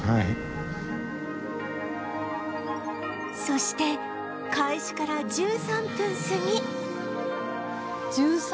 そして開始から１３分すぎ